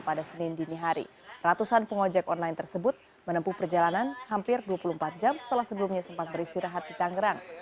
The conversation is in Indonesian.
pada senin dini hari ratusan pengojek online tersebut menempuh perjalanan hampir dua puluh empat jam setelah sebelumnya sempat beristirahat di tangerang